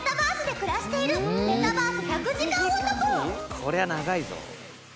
こりゃ長いぞ。